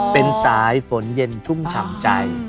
เป็นสายฝนเย็นชุ่มฉ่ำใจ